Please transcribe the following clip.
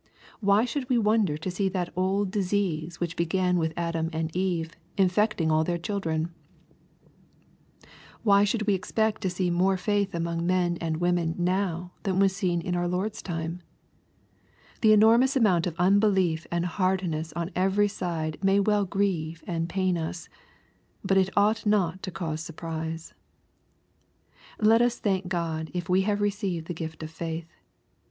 Why should we wonder to see that old disease which began with Adam and Eve infecting all their chiidren ? Why should we expect to see more faith among men and women now than was seen in our Lord's time ? The enormous amount of unbelief and hardness on every side may well grieve and pain us. But it ought not to cause surprise. Let us thank God if we have received the gift of faith.